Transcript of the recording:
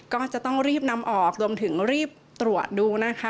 ก็จะต้องรีบนำออกรวมถึงรีบตรวจดูนะคะ